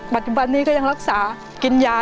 ปัจจุบันนี้ก็ยังรักษากินยา